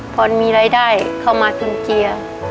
พอมีรายได้เข้ามาจุนเจีย